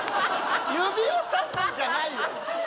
指をさすんじゃないよ！